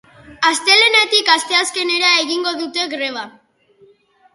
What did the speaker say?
Astelehenetik asteazkenera egingo dute greba.